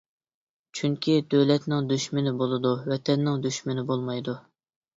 چۈنكى دۆلەتنىڭ دۈشمىنى بولىدۇ، ۋەتەننىڭ دۈشمىنى بولمايدۇ.